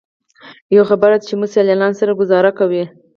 یوه خبره ده چې موږ سیلانیانو سره ګوزاره کوئ.